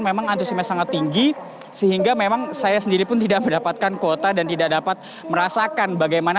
memang antusiasme sangat tinggi sehingga memang saya sendiri pun tidak mendapatkan kuota dan tidak dapat merasakan bagaimana